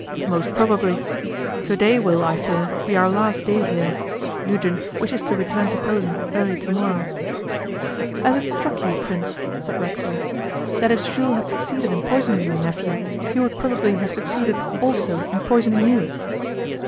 'Most probably. To day will, I fear, be our last day here. Eugen wishes to return to Posen early to morrow.' 'Has it struck you, Prince,' said Racksole, 'that if Jules had succeeded in poisoning your nephew, he would probably have succeeded also in poisoning you?